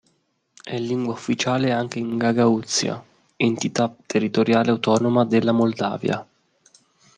È lingua ufficiale anche in Gagauzia, entità territoriale autonoma della Moldavia.